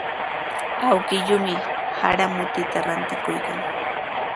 Awkilluumi sara mututa rantikuykan.